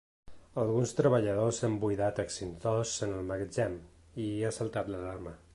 Alguns treballadors han buidat extintors en el magatzem i ha saltat l’alarma.